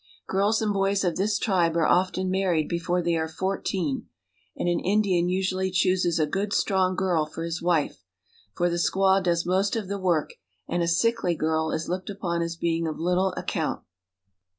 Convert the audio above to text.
Girls and boys of this tribe are often married before they are fourteen, and an Indian usually chooses a good, strong girl for his wife ; for the squaw does most of the work, and a sickly girl is looked upon as being of little account.